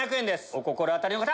お心当たりの方！